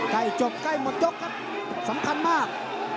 ใกล้จบใกล้หมดยกครับสำคัญมาก